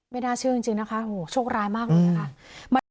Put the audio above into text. น่าเชื่อจริงนะคะโหโชคร้ายมากเลยนะคะ